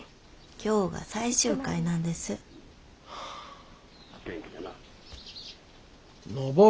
今日が最終回なんです。はあ。昇。